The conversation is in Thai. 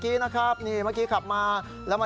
มีรถเก๋งแดงคุณผู้ชมไปดูคลิปกันเองนะฮะ